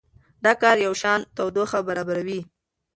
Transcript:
دا کار یوشان تودوخه برابروي.